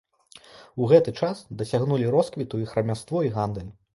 У гэты час дасягнулі росквіту іх рамяство і гандаль.